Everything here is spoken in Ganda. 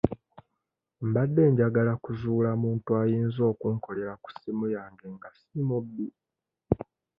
Mbadde njagala kuzuula muntu ayinza okunkolera ku ssimu yange nga si mubbi.